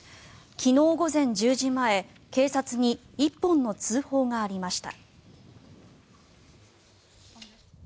昨日午前１０時前警察に１本の通報がありました。